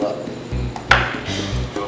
aku bersihin nek